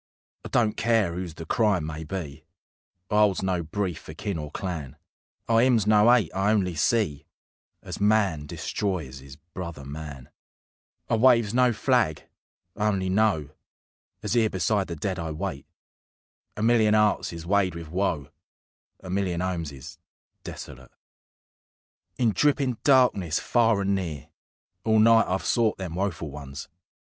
I don't care 'oose the Crime may be; I 'olds no brief for kin or clan; I 'ymns no 'ate: I only see As man destroys his brother man; I waves no flag: I only know, As 'ere beside the dead I wait, A million 'earts is weighed with woe, A million 'omes is desolate. In drippin' darkness, far and near, All night I've sought them woeful ones.